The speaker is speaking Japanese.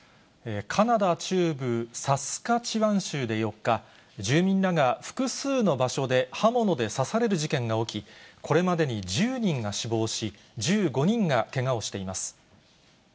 カナダ中部サスカチワン州で４日、住民らが複数の場所で刃物で刺される事件が起き、これまでに１０人が死亡し、１５人がけがをしています。